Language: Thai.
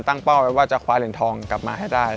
เป้าไว้ว่าจะคว้าเหรียญทองกลับมาให้ได้